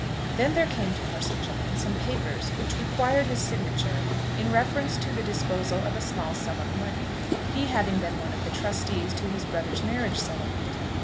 Then there came to Parson John some papers, which required his signature, in reference to the disposal of a small sum of money, he having been one of the trustees to his brother's marriage settlement.